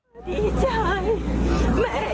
เจ้าแม่จักรเคียนเข้าสิงหร่างอ่าไปดูภาพเลยครับ